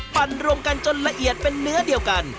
ปั่นรวมกันจนละเอียดเป็นเนื้อเดียวกัน